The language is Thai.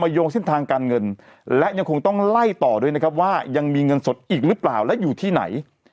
โยงเส้นทางการเงินและยังคงต้องไล่ต่อด้วยนะครับว่ายังมีเงินสดอีกหรือเปล่าและอยู่ที่ไหน